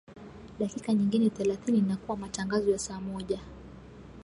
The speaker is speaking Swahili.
dakika nyingine thelathini na kuwa matangazo ya saa moja